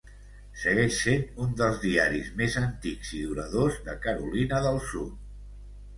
Segueix sent un dels diaris més antics i duradors de Carolina del sud.